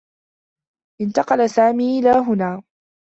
انتقل سامي إلى هنا.